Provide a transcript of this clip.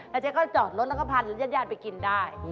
แล้วก็จอดรถแล้วก็พาร้านร้านยาดไปกินได้